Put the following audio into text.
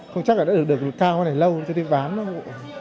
không chắc là đã được cao này lâu cho đến bán đâu